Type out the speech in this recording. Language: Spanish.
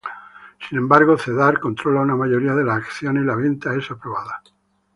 Sin embargo, Cedar controla una mayoría de las acciones y la venta es aprobada.